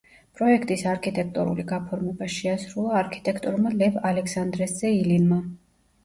პროექტის არქიტექტურული გაფორმება შეასრულა არქიტექტორმა ლევ ალექსანდრეს ძე ილინმა.